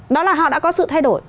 đó là họ đã có sự thay đổi